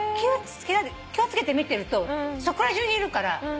気を付けて見てるとそこらじゅうにいるから。